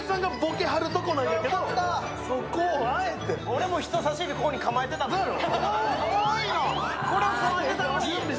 俺も人さし指、ここに構えてたんですよ。